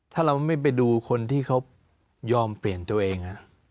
ถ้าเราไม่ไปดูคนที่เขายอมเปลี่ยนตัวเอง